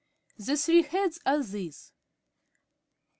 The three heads are these: 1.